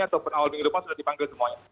ataupun awal minggu depan sudah dipanggil semuanya